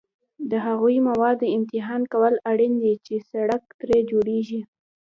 د هغو موادو امتحان کول اړین دي چې سړک ترې جوړیږي